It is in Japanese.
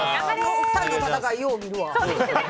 ２人の戦い、よう見るわ。